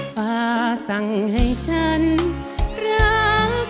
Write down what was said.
ฟ้าสั่งให้ฉันรัก